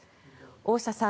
大下さん